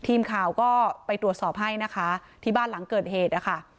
ทีมข่าวก็ไปตรวจสอบให้นะคะที่บ้านหลังเกิดเหตุนะคะ